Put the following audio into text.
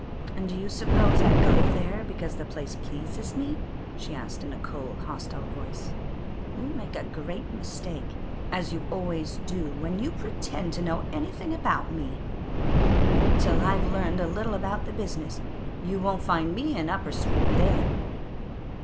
'And do you suppose I go there because the place pleases me?' she asked in a cold, hostile voice. 'You make a great mistake, as you always do when you pretend to know anything about me. Wait till I've learned a little about the business; you won't find me in Upper Street then.